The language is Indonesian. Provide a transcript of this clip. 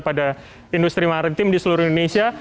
pada industri maritim di seluruh indonesia